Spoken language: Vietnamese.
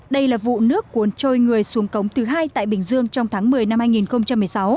đây là vụ nước cuốn trôi người xuống cống thứ hai tại bình dương trong tháng một mươi năm hai nghìn một mươi sáu